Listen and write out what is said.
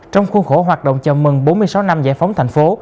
trong khuôn khổ hoạt động chào mừng bốn mươi sáu năm giải phóng thành phố